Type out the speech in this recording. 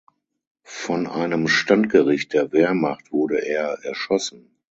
Von einem Standgericht der Wehrmacht wurde er erschossen.